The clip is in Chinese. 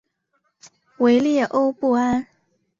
维列欧布安。